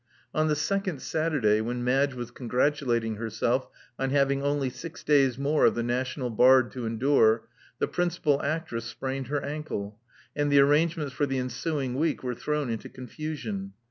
On the second Saturday, when Madge was con gratulating herself on having only six days more of the national Bard to endure, the principal actress sprained her ankle; and the arrangements for the ensuing week were thrown into confusion.